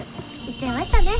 行っちゃいましたね。